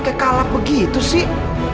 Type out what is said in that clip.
kayak kalak begitu sih